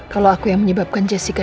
kalau aku yang menyebabkan jessica